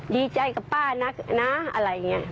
ดีใจกับป้านักนะอะไรอย่างนี้